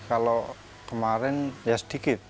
kalau kemarin ya sedikit